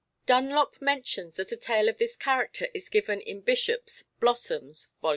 Dunlop mentions that a tale of this character is given in Byshop's Blossoms (vol.